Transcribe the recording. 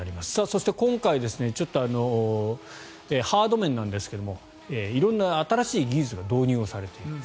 そして今回、ハード面ですが色んな新しい技術が導入されていると。